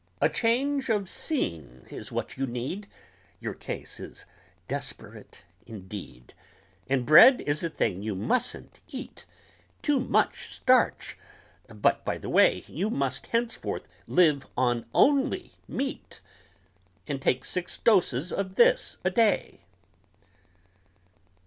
A change of scene is what you need, Your case is desperate, indeed, And bread is a thing you mustn't eat Too much starch but, by the way, You must henceforth live on only meat And take six doses of this a day!"